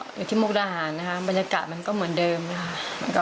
แล้วก็อยู่ที่มกระหารนะครับบรรยากาศมันก็เหมือนเดิมนะครับ